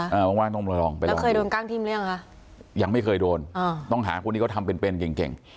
หรอฮะอ่าว่าต้องมาลองไปลองแล้วเคยโดนกล้างทิมหรือยังฮะยังไม่เคยโดนอ่าต้องหาคนนี้ก็ทำเป็นเป็นเก่งเก่ง